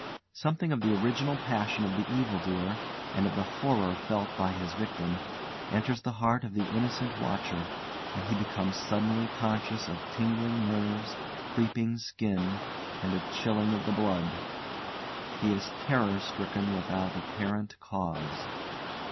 Something of the original passion of the evil doer, and of the horror felt by his victim, enters the heart of the innocent watcher, and he becomes suddenly conscious of tingling nerves, creeping skin, and a chilling of the blood. He is terror stricken without apparent cause.